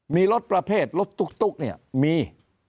มีรถประเภทรถตุ๊กเนี่ยมี